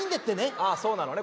ああそうなのね。